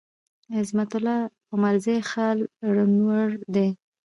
عظمت الله عمرزی ښه ال راونډر دی.